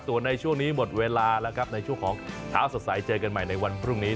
ส่วนในช่วงนี้หมดเวลาแล้วครับในช่วงของเช้าสดใสเจอกันใหม่ในวันพรุ่งนี้